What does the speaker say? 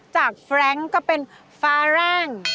จากฟรั้งค์ก็เป็นฟาร่างค์